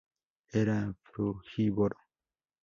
Era frugívoro.